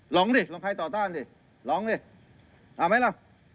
หลงสิหลงพลายต่อต้านสิหลงสิอ่ะแหละ